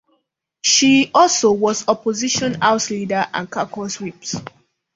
She also was opposition house leader and caucus whip.